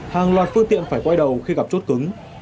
hàng loạt phương tiện phải quay đầu khi gặp chốt cứng